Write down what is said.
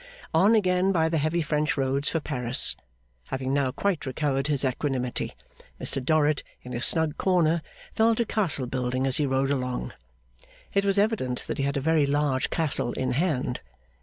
On again by the heavy French roads for Paris. Having now quite recovered his equanimity, Mr Dorrit, in his snug corner, fell to castle building as he rode along. It was evident that he had a very large castle in hand.